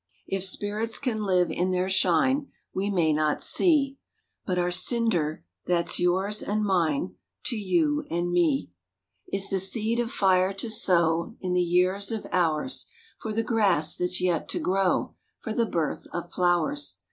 If spirits can live in their shine We may not see, But our cinder that's yours and mine, To you and to me, 52 THE WATCH TOWER 53 Is the seed of fire to sow In the years of ours For the grass that's yet to grow, For the birth of flowers.